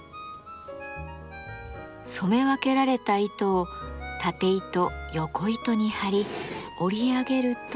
染め分けられた糸をたて糸よこ糸に張り織り上げると。